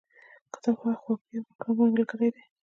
کتاب هغه خواخوږي او مهربانه ملګري دي.